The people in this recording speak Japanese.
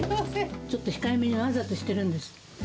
ちょっと控えめに、わざとしてるんです。